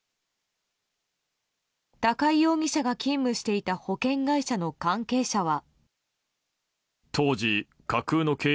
高井容疑者が勤務していた保険会社の関係者は。